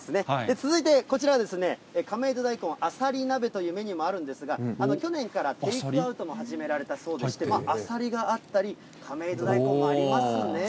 続いてこちらは亀戸大根あさり鍋というメニューもあるんですが、去年からテイクアウトも始められたそうでして、アサリがあったり、亀戸大根もありますよね。